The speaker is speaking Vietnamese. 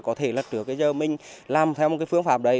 có thể là trước bây giờ mình làm theo một cái phương pháp đấy